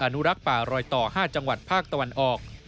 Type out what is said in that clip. นุรักษ์ป่ารอยต่อ๕จังหวัดภาคตะวันออก